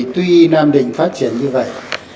tuy nam định phát triển như vậy